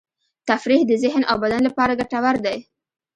تفریح د ذهن او بدن لپاره ګټور دی.